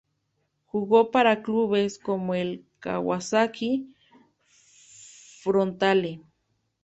Jugó para clubes como el Kawasaki Frontale.